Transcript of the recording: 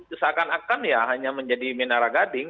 seakan akan ya hanya menjadi minara gading